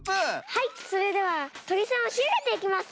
はいそれではとりさんをしあげていきます。